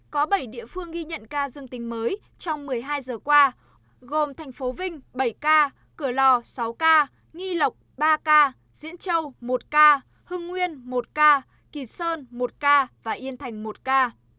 có bảy địa phương ghi nhận ca dân tính mới trong một mươi hai giờ qua gồm tp hcm bảy ca cửa lò sáu ca nghị lộc ba ca diễn châu một ca hưng nguyên một ca kỳ sơn một ca và yên thành một ca